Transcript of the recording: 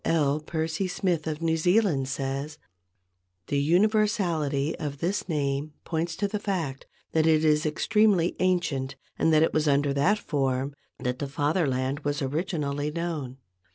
L. Percy Smith of New Zealand says: "The universality of this name points to the fact that it is extremely ancient and that it was under that form the Fatherland was originally known.